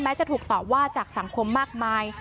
จะถูกตอบว่าจากสังคมมากมาย